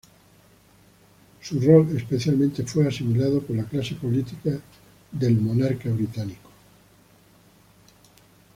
Su rol especialmente fue asimilado por la clase política al del Monarca Británico.